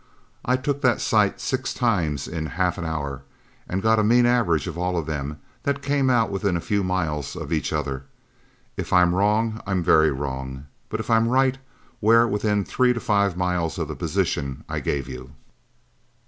"I took that sight six times in a half hour and got a mean average on all of them that came out within a few miles of each other. If I'm wrong, I'm very wrong, but if I'm right, we're within three to five miles of the position I gave you."